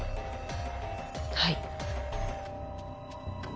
はい。